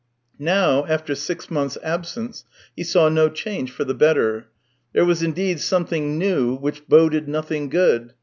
Now, after six months' absence, he saw no change for the better; there was indeed something new which boded nothing good.